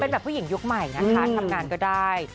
เป็นแบบผู้หญิงยุคใหม่นะคะทำงานก็ได้